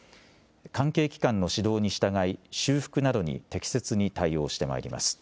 関係機関の指導に従い修復などに適切に対応してまいります。